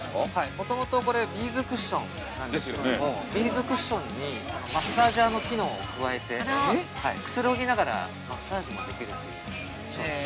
◆もともとビーズクッションなんですけれども、ビーズクッションにマッサージャーの機能を加えて、くつろぎながらマッサージもできるという、商品です。